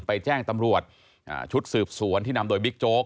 แจ้งตำรวจชุดสืบสวนที่นำโดยบิ๊กโจ๊ก